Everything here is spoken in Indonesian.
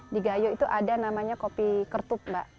di gayo itu ada namanya kopi kertup mbak